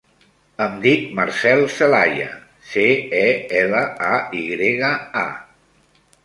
Em dic Marcèl Celaya: ce, e, ela, a, i grega, a.